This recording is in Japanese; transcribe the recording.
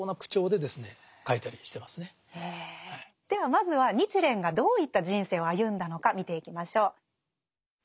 ではまずは日蓮がどういった人生を歩んだのか見ていきましょう。